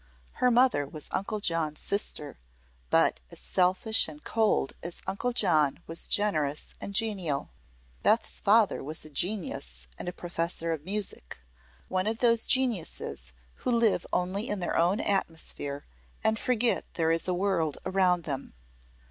Her mother was Uncle John's sister, but as selfish and cold as Uncle John was generous and genial. Beth's father was a "genius" and a professor of music one of those geniuses who live only in their own atmosphere and forget there is a world around them.